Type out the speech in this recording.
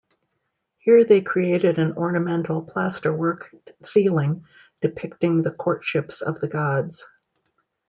Here they created an ornamental plaster-work ceiling depicting the Courtship of the Gods.